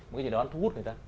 một cái gì đó thú hút người ta